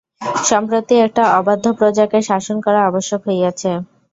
সম্প্রতি একটা অবাধ্য প্রজাকে শাসন করা আবশ্যক হইয়াছে।